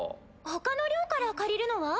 ほかの寮から借りるのは？